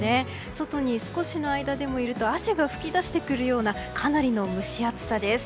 外に少しの間でもいると汗が噴き出してくるようなかなりの蒸し暑さです。